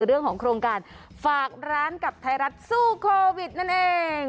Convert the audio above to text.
เรื่องของโครงการฝากร้านกับไทยรัฐสู้โควิดนั่นเอง